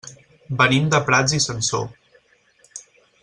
Venim de Prats i Sansor.